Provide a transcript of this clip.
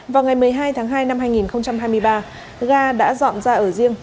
vào ngày một mươi hai tháng hai năm hai nghìn hai mươi ba ga đã dọn ra ở riêng